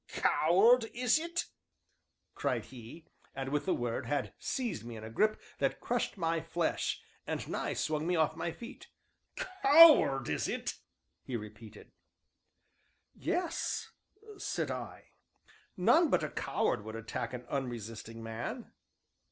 "Coward, is it?" cried he, and, with the word, had seized me in a grip that crushed my flesh, and nigh swung me off my feet; "coward is it?" he repeated. "Yes," said I, "none but a coward would attack an unresisting man."